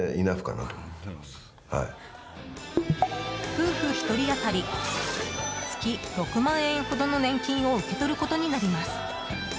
夫婦１人当たり月６万円ほどの年金を受け取ることになります。